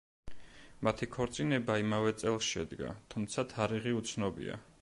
მათი ქორწინება იმავე წელს შედგა, თუმცა თარიღი უცნობია.